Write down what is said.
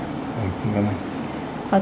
dạ xin cảm ơn